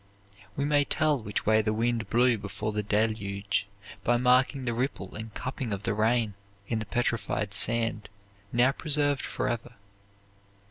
We may tell which way the wind blew before the Deluge by marking the ripple and cupping of the rain in the petrified sand now preserved forever.